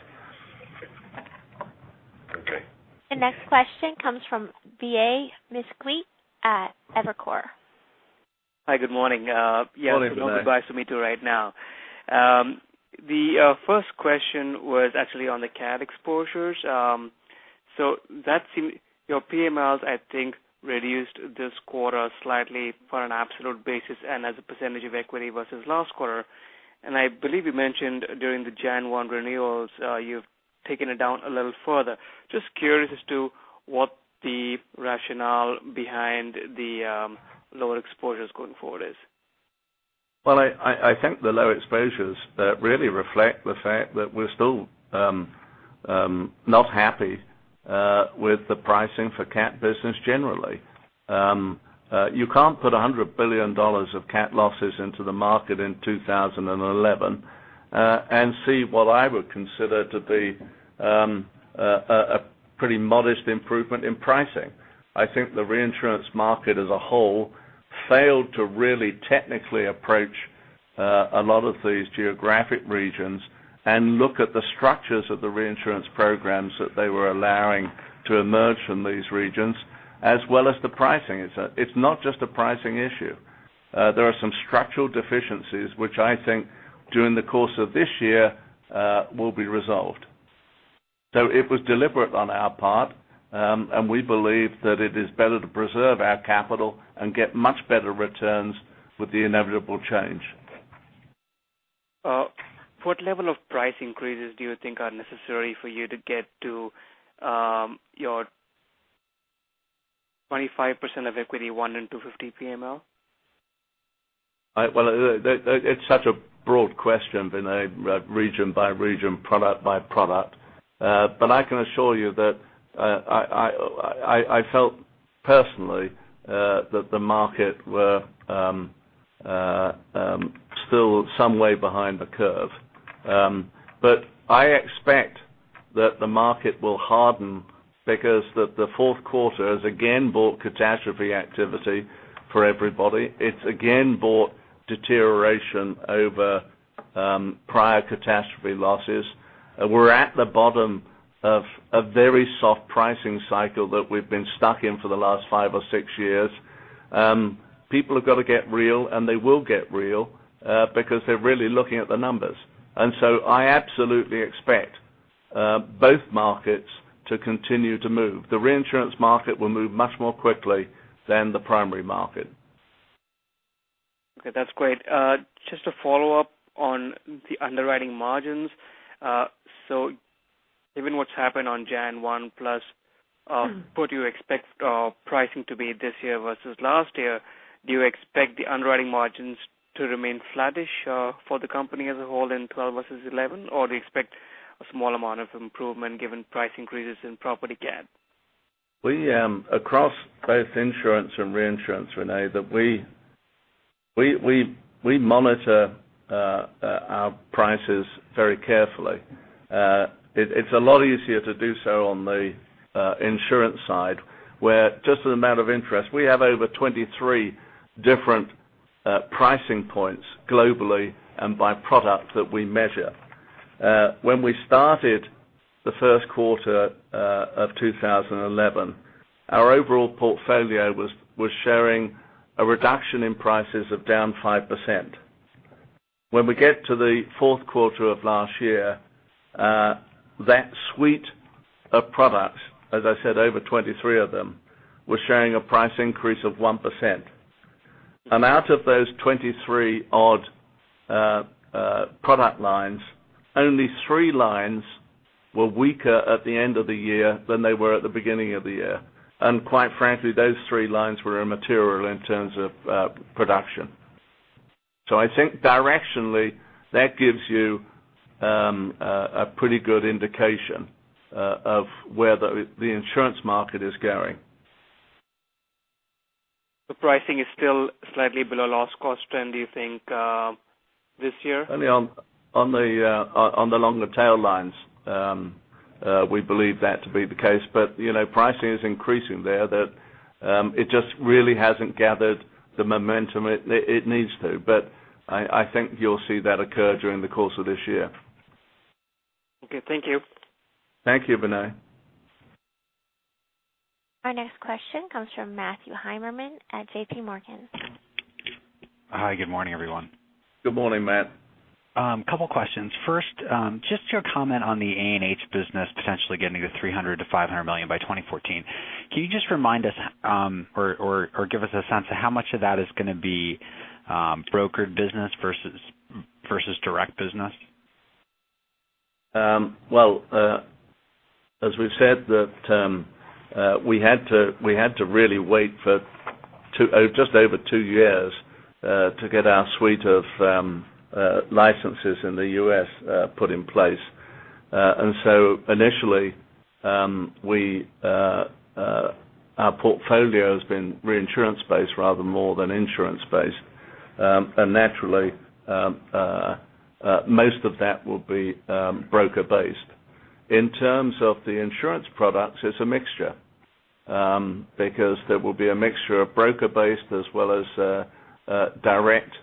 Okay. The next question comes from Vinay Misquith at Evercore. Hi, good morning. Morning to you. Yeah, no goodbyes from me too right now. The first question was actually on the cat exposures. That's your PMLs, I think, reduced this quarter slightly for an absolute basis and as a percentage of equity versus last quarter. I believe you mentioned during the January 1 renewals, you've taken it down a little further. Just curious as to what the rationale behind the lower exposures going forward is. Well, I think the low exposures really reflect the fact that we're still not happy with the pricing for cat business generally. You can't put $100 billion of cat losses into the market in 2011, and see what I would consider to be a pretty modest improvement in pricing. I think the reinsurance market as a whole failed to really technically approach a lot of these geographic regions and look at the structures of the reinsurance programs that they were allowing to emerge from these regions, as well as the pricing. It's not just a pricing issue. There are some structural deficiencies, which I think during the course of this year will be resolved. It was deliberate on our part, and we believe that it is better to preserve our capital and get much better returns with the inevitable change. What level of price increases do you think are necessary for you to get to your 25% of equity 1 in 250 PML? Well, it's such a broad question, Vinay. Region by region, product by product. I can assure you that I felt personally that the market were still some way behind the curve. I expect that the market will harden because the fourth quarter has again brought catastrophe activity for everybody. It's again brought deterioration over prior catastrophe losses. We're at the bottom of a very soft pricing cycle that we've been stuck in for the last five or six years. People have got to get real, and they will get real, because they're really looking at the numbers. I absolutely expect both markets to continue to move. The reinsurance market will move much more quickly than the primary market. Okay, that's great. Just a follow-up on the underwriting margins. Given what's happened on Jan 1 plus, what do you expect pricing to be this year versus last year? Do you expect the underwriting margins to remain flattish for the company as a whole in 2012 versus 2011, or do you expect a small amount of improvement given price increases in property cat? Vinay, across both insurance and reinsurance, we monitor our prices very carefully. It's a lot easier to do so on the insurance side, where just as a matter of interest, we have over 23 different pricing points globally and by product that we measure. When we started the first quarter of 2011, our overall portfolio was showing a reduction in prices of down 5%. When we get to the fourth quarter of last year, that suite of products, as I said, over 23 of them, was showing a price increase of 1%. Out of those 23-odd product lines, only three lines were weaker at the end of the year than they were at the beginning of the year. Quite frankly, those three lines were immaterial in terms of production. I think directionally, that gives you a pretty good indication of where the insurance market is going. The pricing is still slightly below loss cost trend, do you think this year? Only on the longer tail lines we believe that to be the case, pricing is increasing there. It just really hasn't gathered the momentum it needs to. I think you'll see that occur during the course of this year. Okay. Thank you. Thank you, Vinay. Our next question comes from Matthew Heimermann at J.P. Morgan. Hi, good morning, everyone. Good morning, Matt. Couple questions. First, just your comment on the A&H business potentially getting to $300 million to $500 million by 2014. Can you just remind us, or give us a sense of how much of that is going to be brokered business versus direct business? Well, as we've said that we had to really wait for just over two years, to get our suite of licenses in the U.S. put in place. Initially our portfolio has been reinsurance-based rather more than insurance-based. Naturally, most of that will be broker-based. In terms of the insurance products, it's a mixture, because there will be a mixture of broker-based as well as direct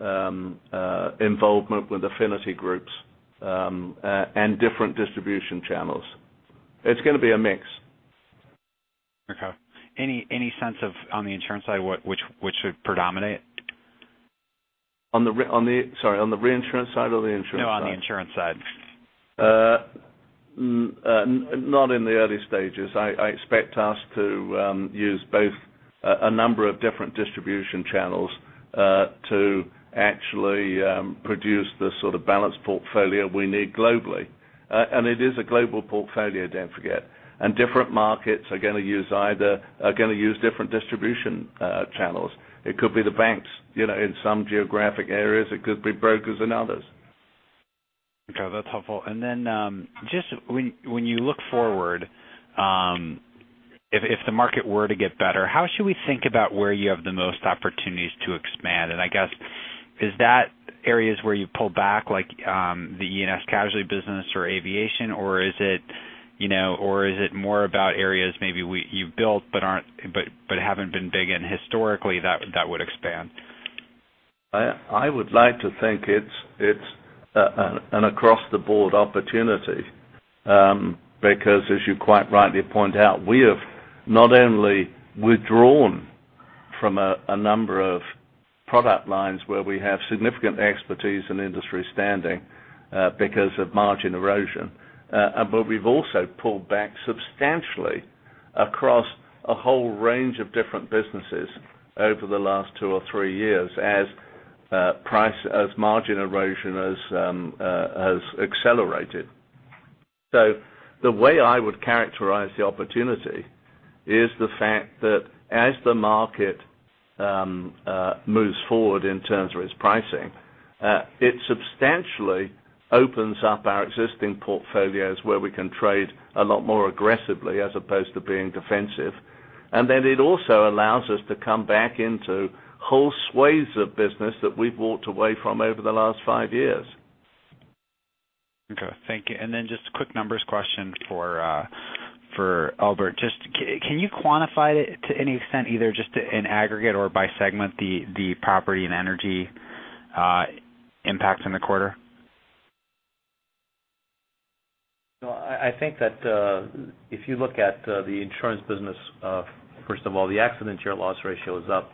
involvement with affinity groups, and different distribution channels. It's going to be a mix. Okay. Any sense of, on the insurance side, which would predominate? Sorry, on the reinsurance side or the insurance side? No, on the insurance side. Not in the early stages. I expect us to use both a number of different distribution channels to actually produce the sort of balanced portfolio we need globally. It is a global portfolio, don't forget, and different markets are going to use different distribution channels. It could be the banks in some geographic areas, it could be brokers in others. Okay, that's helpful. Then, just when you look forward, if the market were to get better, how should we think about where you have the most opportunities to expand? I guess, is that areas where you've pulled back, like the E&S casualty business or aviation, or is it more about areas maybe where you've built but haven't been big in historically that would expand? I would like to think it's an across-the-board opportunity. As you quite rightly point out, we have not only withdrawn from a number of product lines where we have significant expertise and industry standing because of margin erosion. We've also pulled back substantially across a whole range of different businesses over the last two or three years as margin erosion has accelerated. The way I would characterize the opportunity is the fact that as the market moves forward in terms of its pricing, it substantially opens up our existing portfolios where we can trade a lot more aggressively as opposed to being defensive. Then it also allows us to come back into whole sways of business that we've walked away from over the last five years. Okay. Thank you. Then just a quick numbers question for Albert. Just can you quantify to any extent either just in aggregate or by segment the property and energy impacts in the quarter? I think that if you look at the insurance business, first of all, the accident year loss ratio is up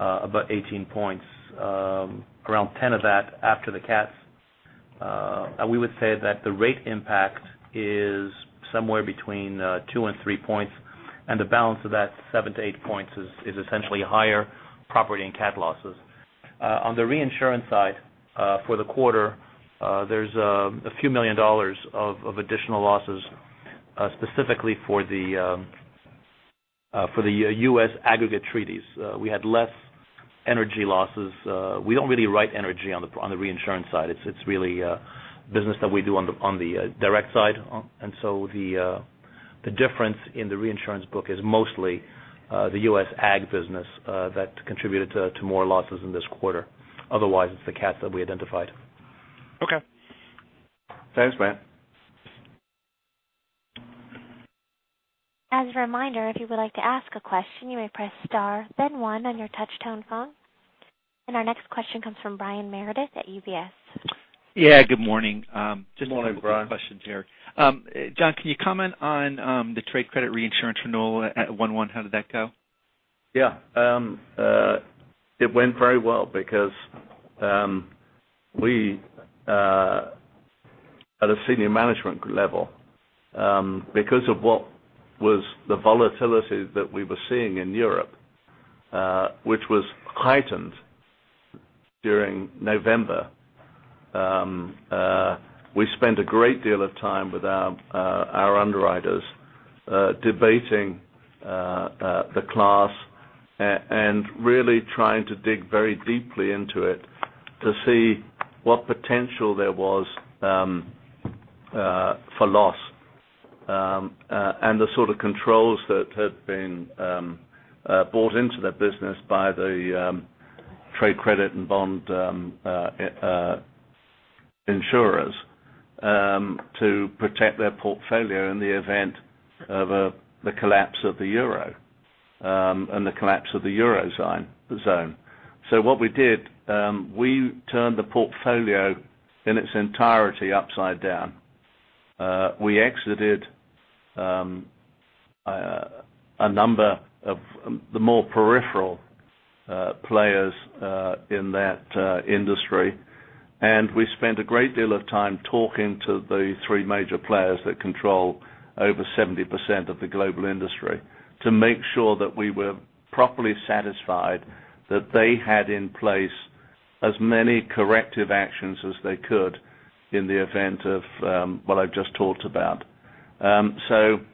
about 18 points, around 10 of that after the cats. We would say that the rate impact is somewhere between two and three points, and the balance of that seven to eight points is essentially higher property and casualty losses. On the reinsurance side, for the quarter, there's a few million dollars of additional losses, specifically for the US aggregate treaties. We had less energy losses. We don't really write energy on the reinsurance side. It's really business that we do on the direct side. So the difference in the reinsurance book is mostly the US ag business that contributed to more losses in this quarter. Otherwise, it's the cats that we identified. Okay. Thanks, Matt. As a reminder, if you would like to ask a question, you may press star then one on your touch-tone phone. Our next question comes from Brian Meredith at UBS. Yeah, good morning. Good morning, Brian. Just a couple questions here. John, can you comment on the trade credit reinsurance renewal at one one? How did that go? Yeah. It went very well because we, at a senior management level, because of what was the volatility that we were seeing in Europe, which was heightened during November, we spent a great deal of time with our underwriters debating the class and really trying to dig very deeply into it to see what potential there was for loss, and the sort of controls that had been brought into the business by the trade credit and bond insurers to protect their portfolio in the event of the collapse of the euro. The collapse of the Eurozone. What we did, we turned the portfolio in its entirety upside down. We exited a number of the more peripheral players in that industry, we spent a great deal of time talking to the three major players that control over 70% of the global industry to make sure that we were properly satisfied that they had in place as many corrective actions as they could in the event of what I've just talked about. On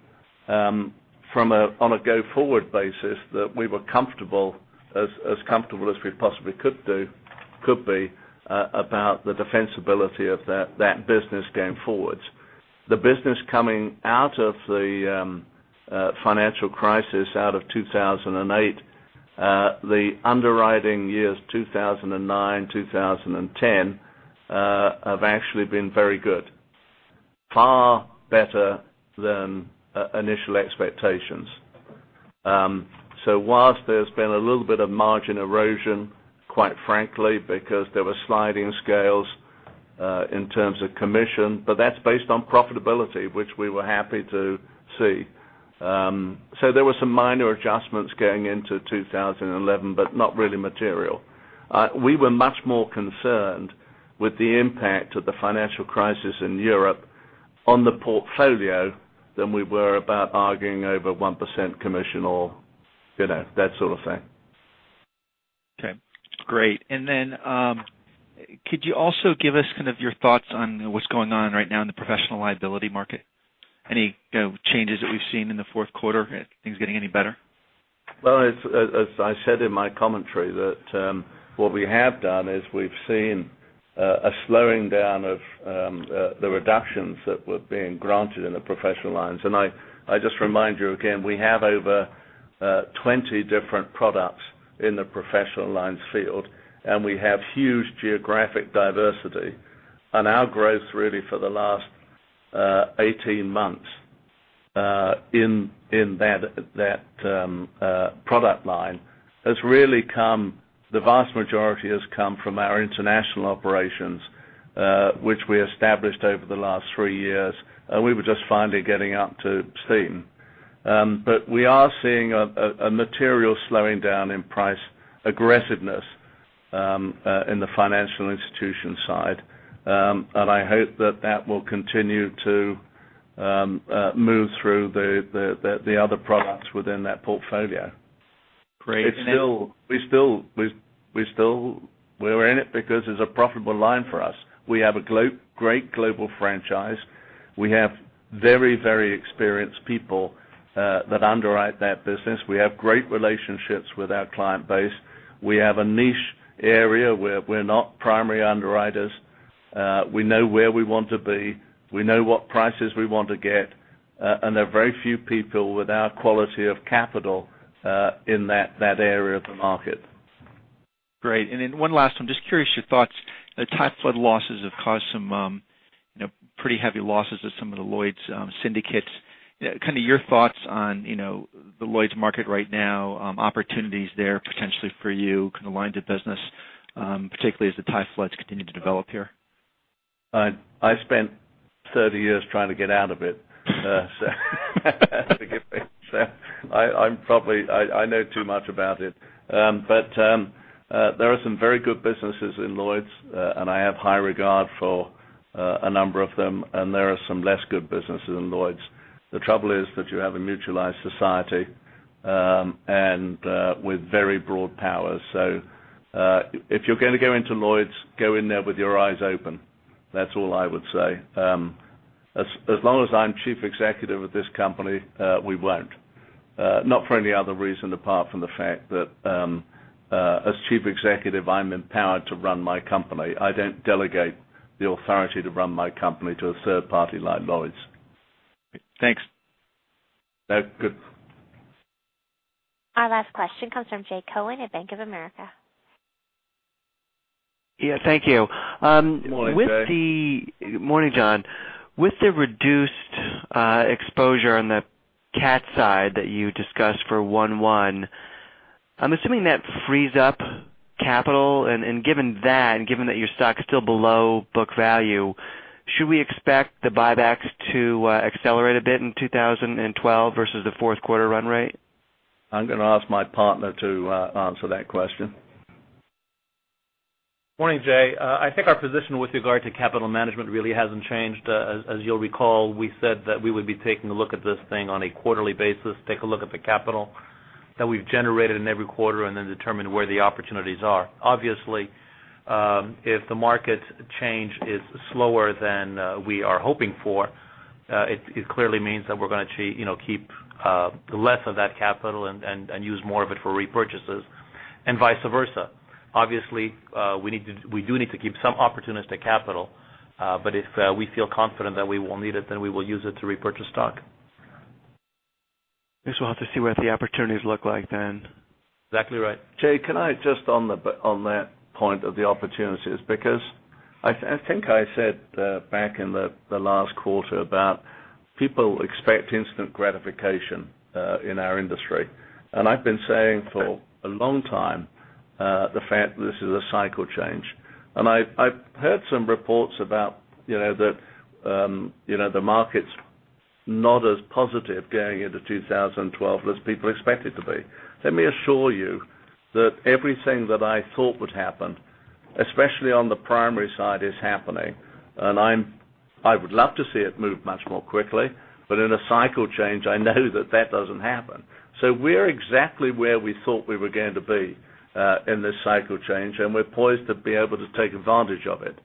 a go-forward basis, that we were as comfortable as we possibly could be about the defensibility of that business going forward. The business coming out of the financial crisis out of 2008, the underwriting years 2009, 2010 have actually been very good. Far better than initial expectations. Whilst there's been a little bit of margin erosion, quite frankly, because there were sliding scales in terms of commission, but that's based on profitability, which we were happy to see. There were some minor adjustments going into 2011, not really material. We were much more concerned with the impact of the financial crisis in Europe on the portfolio than we were about arguing over 1% commission or that sort of thing. Okay, great. Could you also give us kind of your thoughts on what's going on right now in the professional liability market? Any changes that we've seen in the fourth quarter? Are things getting any better? Well, as I said in my commentary that what we have done is we've seen a slowing down of the reductions that were being granted in the professional lines. I just remind you again, we have over 20 different products in the professional lines field, we have huge geographic diversity. Our growth really for the last 18 months in that product line, the vast majority has come from our international operations, which we established over the last three years. We were just finally getting up to steam. We are seeing a material slowing down in price aggressiveness in the financial institution side. I hope that that will continue to move through the other products within that portfolio. Great. We're in it because it's a profitable line for us. We have a great global franchise. We have very experienced people that underwrite that business. We have great relationships with our client base. We have a niche area where we're not primary underwriters. We know where we want to be. We know what prices we want to get. There are very few people with our quality of capital in that area of the market. Great. Then one last one. Just curious, your thoughts. The Thai flood losses have caused some pretty heavy losses at some of the Lloyd's syndicates. Kind of your thoughts on the Lloyd's market right now, opportunities there potentially for you, kind of lines of business, particularly as the Thai floods continue to develop here. I spent 30 years trying to get out of it. Forgive me. I know too much about it. There are some very good businesses in Lloyd's, and I have high regard for a number of them, and there are some less good businesses in Lloyd's. The trouble is that you have a mutualized society with very broad powers. If you're going to go into Lloyd's, go in there with your eyes open. That's all I would say. As long as I'm Chief Executive of this company, we won't. Not for any other reason apart from the fact that as Chief Executive, I'm empowered to run my company. I don't delegate the authority to run my company to a third party like Lloyd's. Thanks. No, good. Our last question comes from Jay Cohen at Bank of America. Yeah, thank you. Morning, Jay. Morning, John. With the reduced exposure on the cat side that you discussed for 1/1, I'm assuming that frees up capital. Given that, and given that your stock is still below book value, should we expect the buybacks to accelerate a bit in 2012 versus the fourth quarter run rate? I'm going to ask my partner to answer that question. Morning, Jay. I think our position with regard to capital management really hasn't changed. As you'll recall, we said that we would be taking a look at this thing on a quarterly basis, take a look at the capital that we've generated in every quarter, and then determine where the opportunities are. Obviously, if the market change is slower than we are hoping for, it clearly means that we're going to keep less of that capital and use more of it for repurchases and vice versa. Obviously, we do need to keep some opportunistic capital. If we feel confident that we will need it, then we will use it to repurchase stock. I guess we'll have to see what the opportunities look like then. Exactly right. Jay, can I just on that point of the opportunities, because I think I said back in the last quarter about people expect instant gratification in our industry. I've been saying for a long time the fact that this is a cycle change. I've heard some reports about the market's not as positive going into 2012 as people expect it to be. Let me assure you that everything that I thought would happen, especially on the primary side, is happening. I would love to see it move much more quickly, but in a cycle change, I know that that doesn't happen. We're exactly where we thought we were going to be in this cycle change, and we're poised to be able to take advantage of it.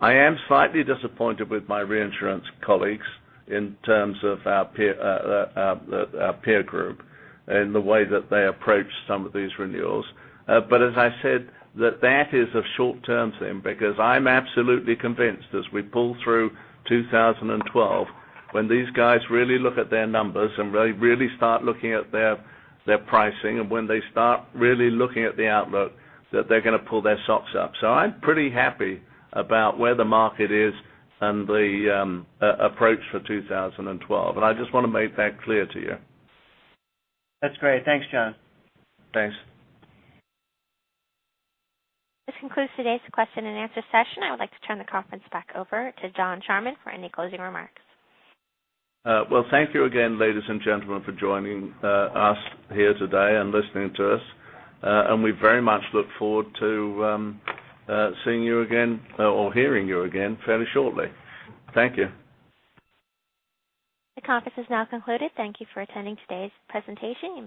I am slightly disappointed with my reinsurance colleagues in terms of our peer group in the way that they approach some of these renewals. As I said, that that is a short-term thing because I'm absolutely convinced as we pull through 2012, when these guys really look at their numbers and they really start looking at their pricing, when they start really looking at the outlook, that they're going to pull their socks up. I'm pretty happy about where the market is and the approach for 2012. I just want to make that clear to you. That's great. Thanks, John. Thanks. This concludes today's question and answer session. I would like to turn the conference back over to John Charman for any closing remarks. Well, thank you again, ladies and gentlemen, for joining us here today and listening to us. We very much look forward to seeing you again or hearing you again fairly shortly. Thank you. The conference is now concluded. Thank you for attending today's presentation.